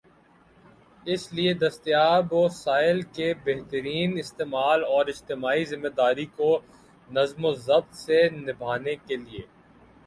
اس لئے دستیاب وسائل کے بہترین استعمال اور اجتماعی ذمہ داری کو نظم و ضبط سے نبھانے کے لئے